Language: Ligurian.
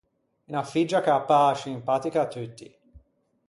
Unna figgia ch’a pâ scimpatica à tutti.